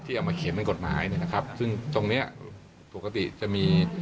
ที่เอามาเขียนเป็นกฎหมายนะครับซึ่งตรงนี้ปกติจะมี